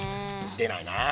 でないなあ。